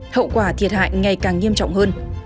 hậu quả thiệt hại ngày càng nghiêm trọng hơn